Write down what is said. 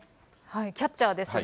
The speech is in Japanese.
キャッチャーですね。